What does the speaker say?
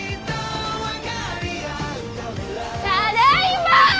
ただいま！